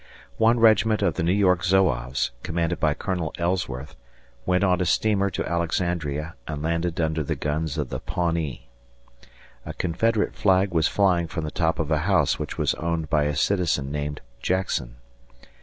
One regiment of the New York Zouaves, commanded by Colonel Ellsworth, went on a steamer to Alexandria and landed under the guns of the Pawnee. A Confederate flag was flying from the top of a house which was owned by a citizen named Jackson.